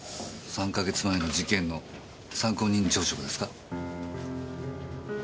３か月前の事件の参考人調書がですか？